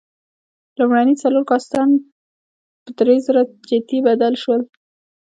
لومړني څلور کاستان په درېزره جتي بدل شول.